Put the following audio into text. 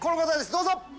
どうぞ。